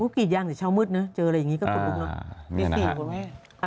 กี่อย่างสิเช้ามืดเนอะเจออะไรอย่างนี้ก็ปุ๊บลุงเนอะ